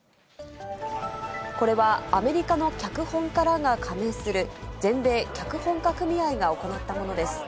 これはアメリカの脚本家らが加盟する全米脚本家組合が行ったものです。